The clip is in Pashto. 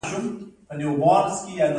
کښته یې یو وړوکی پل ویجاړ کړی.